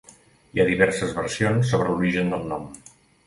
Hi ha diverses versions sobre l'origen del nom.